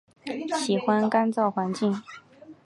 喜欢干燥环境。